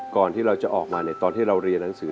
ก่อนที่เราจะออกมาในตอนที่เราเรียนหนังสือ